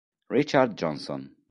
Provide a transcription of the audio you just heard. Richard Johnson